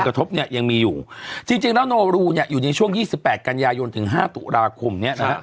กระทบเนี่ยยังมีอยู่จริงจริงแล้วโนรูเนี่ยอยู่ในช่วง๒๘กันยายนถึงห้าตุลาคมเนี่ยนะฮะ